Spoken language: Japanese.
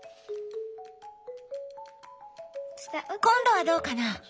今度はどうかな？